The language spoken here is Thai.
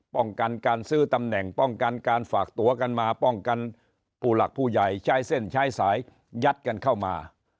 ป้องกันการซื้อตำแหน่งป้องกันการฝากตัวกันมาป้องกันผู้หลักผู้ใหญ่ใช้เส้นใช้สายยัดกันเข้ามา